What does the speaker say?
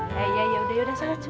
ayah yaudah yaudah